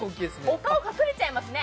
お顔隠れちゃいますね。